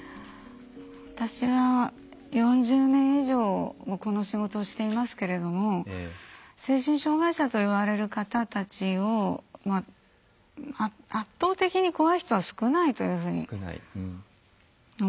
私は４０年以上この仕事をしていますけれども精神障害者といわれる方たちを圧倒的に怖い人は少ないというふうに思います。